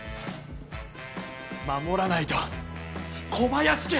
守らないと小林家！